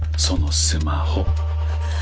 そのスマホ。